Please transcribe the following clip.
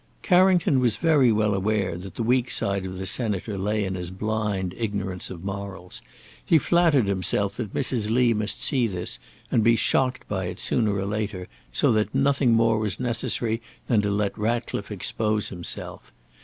Carrington was very well aware that the weak side of the Senator lay in his blind ignorance of morals. He flattered himself that Mrs. Lee must see this and be shocked by it sooner or later, so that nothing more was necessary than to let Ratcliffe expose himself.